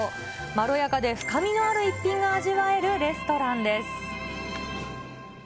まろやかで深みのある逸品が味わえるレストランです。